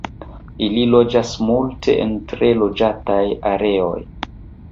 Ili loĝas multe en tre loĝataj areoj.